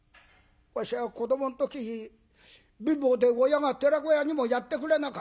「わしは子どもの時貧乏で親が寺子屋にもやってくれなかった」。